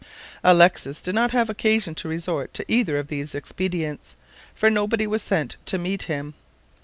Alexis did not have occasion to resort to either of these expedients, for nobody was sent to meet him.